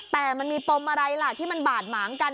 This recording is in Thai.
แต่มันมีปมอะไรล่ะที่มันบาดหมางกัน